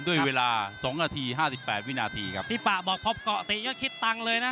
ด้วยเวลาสองนาทีห้าสิบแปดวินาทีครับพี่ปะบอกพอเกาะเตะก็คิดตังค์เลยนะ